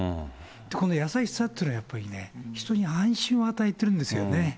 この優しさというのは、やっぱりね、人に安心を与えてるんですよね。